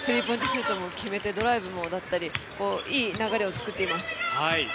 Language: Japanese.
シュートも決めてドライブだったりいい流れを作っています。